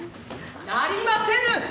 なりませぬ！